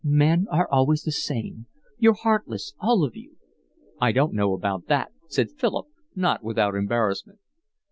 Men are always the same. You're heartless, all of you." "I don't know about that," said Philip, not without embarrassment.